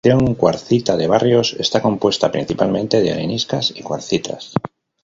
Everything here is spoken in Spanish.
La Formación Cuarcita de Barrios está compuesta principalmente de areniscas y cuarcitas.